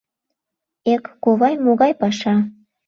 Эк, кувай, могай паша!